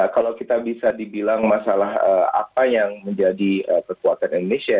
kalau kita bisa dibilang masalah apa yang menjadi kekuatan indonesia